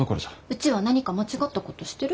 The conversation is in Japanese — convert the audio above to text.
うちは何か間違ったことしてる？